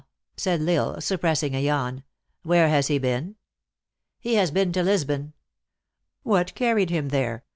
said L Isle, suppressing a yawn, "where has he been?" " He has been to Lisbon." " What carried him there ?"